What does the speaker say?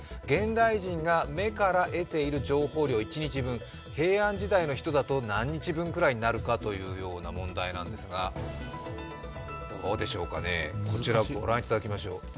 現代人が目から得ている情報量、一日分、平安時代の人だと何日分ぐらいになるかという問題ですがどうでしょうかね、こちら御覧いただきましょう。